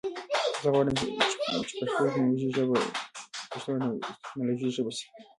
زه غواړم چې پښتو د ټکنالوژي ژبه شي.